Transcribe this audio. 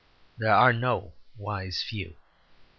There are no wise few.